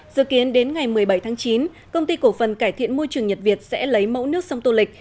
dự kiến đến ngày một mươi bảy tháng chín công ty cổ phần cải thiện môi trường nhật việt sẽ lấy mẫu nước sông tô lịch